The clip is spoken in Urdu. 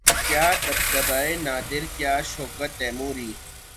کیا دبدبۂ نادر کیا شوکت تیموری